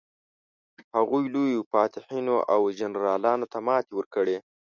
هغوی لویو فاتحینو او جنرالانو ته ماتې ورکړې.